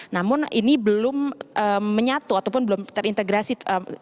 namun ini belum menyatu ataupun belum terintegrasi